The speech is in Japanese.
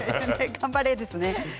頑張れですね。